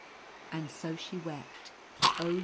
And so she wept, oh!